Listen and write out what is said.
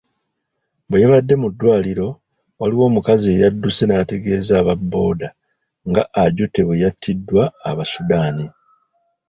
Bwe yabadde mu ddwaliro, waliwo omukazi eyadduse n'ategeeza aba Bbooda nga Ajute bwe y'attiddwa Abasudani.